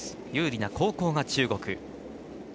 有利な後攻が中国。